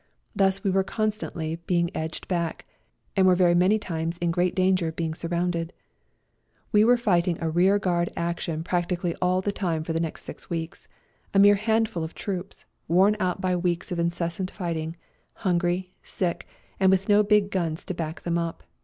Thus we were constantly being edged back, and were very many times in great danger of being surrounded* We were fighting a rear guard action prac tically all the time for the next six weeks — a mere handful of troops, worn out by weeks of incessant fighting, hungry, sick, and with no big guns to back them up.